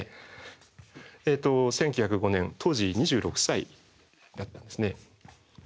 １９０５年当時２６歳だったんですね。